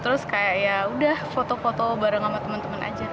udah foto foto bareng sama temen temen aja